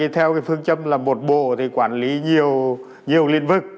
theo phương châm là một bộ thì quản lý nhiều lĩnh vực